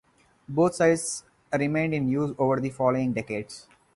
Both sites remained in use over the following decades.